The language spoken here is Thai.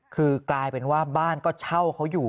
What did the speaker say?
คือกลายเป็นว่าบ้านก็เช่าเขาอยู่